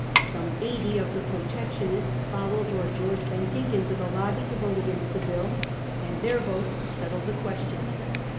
Some eighty of the Protectionists followed Lord George Bentinck into the lobby to vote against the bill, and their votes settled the ques tion.